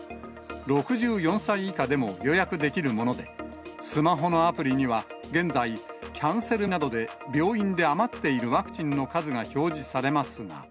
６４歳以下でも予約できるもので、スマホのアプリには現在、キャンセルなどで病院で余っているワクチンの数が表示されますが。